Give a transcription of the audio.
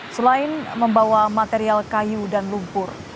selain membawa material kayu dan lumpur